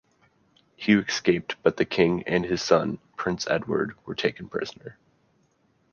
Hugh escaped but the King and his son, Prince Edward, were taken prisoner.